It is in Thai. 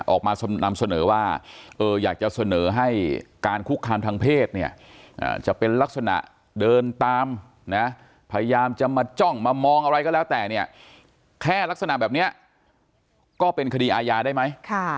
ออกมานำเสนอว่าอยากจะเสนอให้การคุกคามทางเพศเนี่ยจะเป็นลักษณะเดินตามนะพยายามจะมาจ้องมามองอะไรก็แล้วแต่เนี่ยแค่ลักษณะแบบนี้ก็เป็นคดีอาญาได้ไหม